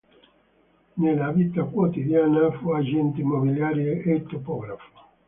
Nella vita quotidiana fu agente immobiliare e topografo.